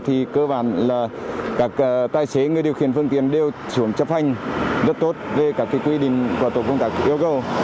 thì cơ bản là các tài xế người điều khiển phương tiện đều xuống chấp hành rất tốt về các quy định của tổ công tác yêu cầu